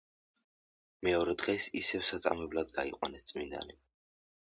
მეორე დღეს ისევ საწამებლად გაიყვანეს წმინდანი.